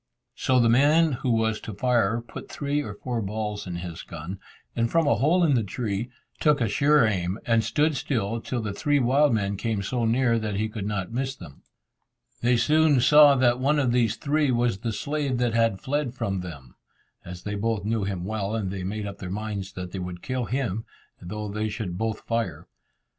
So the man who was to fire put three or four balls in his gun, and from a hole in the tree, took a sure aim, and stood still till the three wild men came so near that he could not miss them. They soon saw that one of these three was the slave that had fled from them, as they both knew him well, and they made up their minds that they would kill him, though they should both fire.